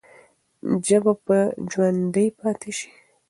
ژبه به ژوندۍ پاتې سي.